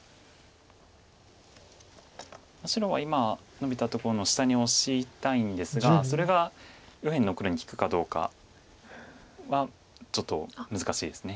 白は今ノビたところの下にオシたいんですがそれが右辺の黒に利くかどうかはちょっと難しいです。